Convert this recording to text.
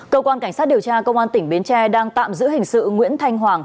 cơ quan cảnh sát điều tra công an tỉnh bến tre đang tạm giữ hình sự nguyễn thanh hoàng